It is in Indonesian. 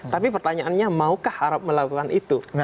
tapi pertanyaannya maukah arab melakukan itu